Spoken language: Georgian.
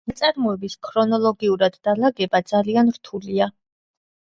ნაწარმოებების ქრონოლოგიურად დალაგება ძალიან რთულია.